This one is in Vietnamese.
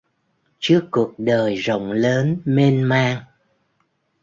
Trước cuộc đời rộng lớn mênh mang